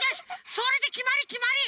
それできまりきまり！